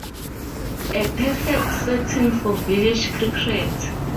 A perfect setting for village cricket.